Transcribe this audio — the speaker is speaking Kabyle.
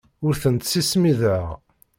Ur tent-ssismiḍeɣ.